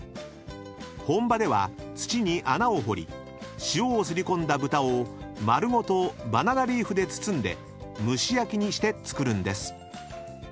［本場では土に穴を掘り塩を擦り込んだ豚を丸ごとバナナリーフで包んで蒸し焼きにして作るんです］